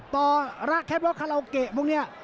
ต่อรักแค่ว่าคาลาโอเกะพวกเนี่ย